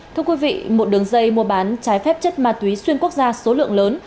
thưa quý vị một đường dây mua bán trái phép chất ma túy xuyên quốc gia số lượng lớn